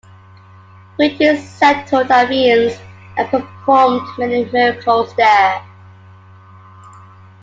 Quentin settled at Amiens and performed many miracles there.